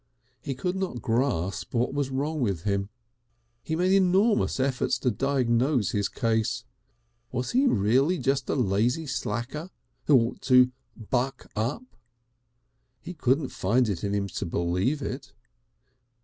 He could not grasp what was wrong with him. He made enormous efforts to diagnose his case. Was he really just a "lazy slacker" who ought to "buck up"? He couldn't find it in him to believe it.